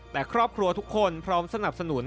แต่ครอบครัวทุกคนพร้อมสนับสนุน